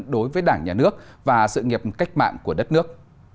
đối với đảng nhà nước và sự nghiệp cách mạng của đất nước